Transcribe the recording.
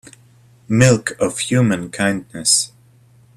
Milk of human kindness